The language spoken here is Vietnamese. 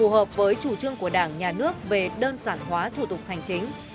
hợp với chủ trương của đảng nhà nước về đơn giản hóa thủ tục hành chính